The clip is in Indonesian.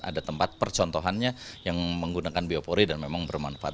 ada tempat percontohannya yang menggunakan biopori dan memang bermanfaat